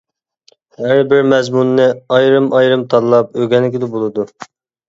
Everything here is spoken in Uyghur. ھەربىر مەزمۇننى ئايرىم-ئايرىم تاللاپ ئۆگەنگىلى بولىدۇ.